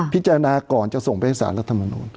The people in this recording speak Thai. พิจารณาก่อนจะส่งไปให้สารรัฐมนุน